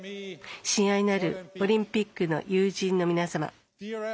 親愛なるオリンピックの友人の皆様。